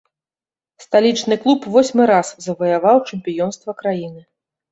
Сталічны клуб восьмы раз заваяваў чэмпіёнства краіны.